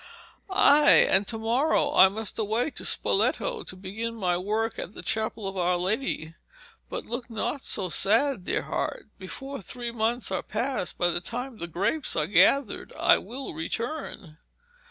'Ay, and to morrow I must away to Spoleto to begin my work at the Chapel of Our Lady. But look not so sad, dear heart; before three months are past, by the time the grapes are gathered, I will return.'